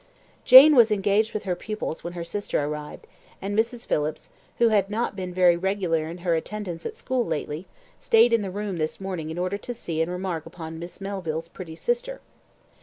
Jane was engaged with her pupils when her sister arrived, and Mrs. Phillips, who had not been very regular in her attendance at school lately, stayed in the room this morning in order to see and remark upon Miss Melville's pretty sister.